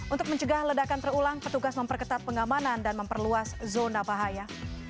untuk mencegah ledakan terulang petugas memperketat pengamanan dan memperluas zona bahaya